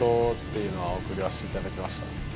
いうのは送らせていただきました。